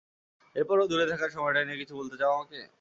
এরপরও, দূরে থাকার সময়টা নিয়ে কিছু বলতে চাও আমাকে?